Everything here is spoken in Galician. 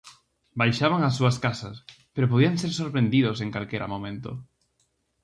Baixaban ás súas casas, pero podían ser sorprendidos en calquera momento.